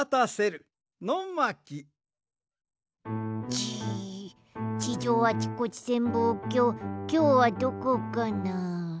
じ地上あちこち潜望鏡きょうはどこかな？